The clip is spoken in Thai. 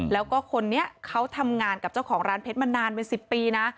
แล้วก็คนนี้เขาทำงานกับเจ้าของร้านเพชรมานานเป็น๑๐ปีนะ